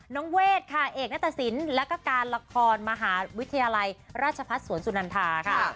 เวทค่ะเอกณตสินแล้วก็การละครมหาวิทยาลัยราชพัฒน์สวนสุนันทาค่ะ